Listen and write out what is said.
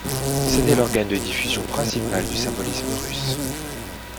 C'était l'organe de diffusion principal du symbolisme russe.